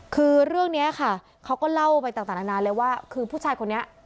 คือเรื่องนี้ค่ะเขาก็เล่าไปต่างนานาเลยว่าคือผู้ชายคนนี้